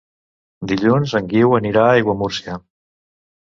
Dilluns en Guiu anirà a Aiguamúrcia.